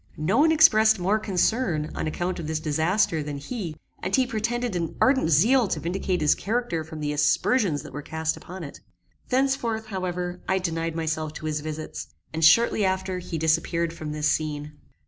No one expressed more concern, on account of this disaster, than he; and he pretended an ardent zeal to vindicate his character from the aspersions that were cast upon it. Thenceforth, however, I denied myself to his visits; and shortly after he disappeared from this scene.